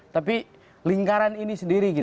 tapi lingkaran ini sendiri